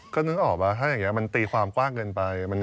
ก็นึกออกว่าถ้าอย่างนี้มันตีความกว้างเกินไป